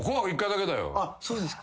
あっそうですか。